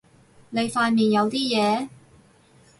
你塊面有啲嘢